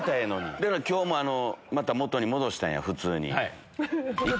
だから今日また元に戻したんや普通に。